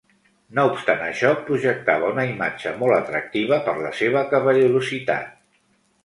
No obstant això, projectava una imatge molt atractiva per la seva cavallerositat.